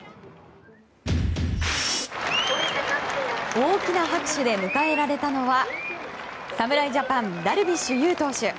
大きな拍手で迎えられたのは侍ジャパンダルビッシュ有投手。